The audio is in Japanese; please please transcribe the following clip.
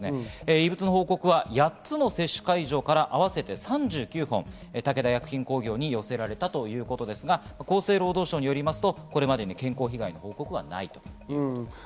異物の報告は８つの接種会場から合わせて３９本、武田薬品工業に寄せられたということですが、厚生労働省によりますと、これまでに健康被害の報告はないということです。